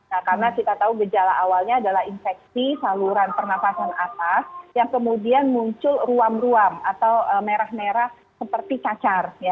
nah karena kita tahu gejala awalnya adalah infeksi saluran pernafasan atas yang kemudian muncul ruam ruam atau merah merah seperti cacar